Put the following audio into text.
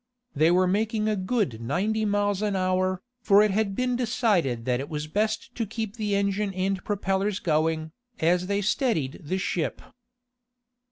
They were making a good ninety miles an hour, for it had been decided that it was best to keep the engine and propellers going, as they steadied the ship.